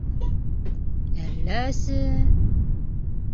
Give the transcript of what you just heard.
Әлләсе...